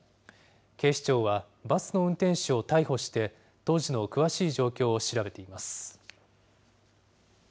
警視庁は、バスの運転手を逮捕して、当時の詳しい状況を調べています。